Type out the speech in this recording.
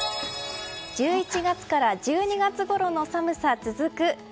１１月から１２月ごろの寒さ続く。